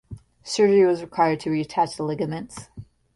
Surgery was required to reattach the ligaments.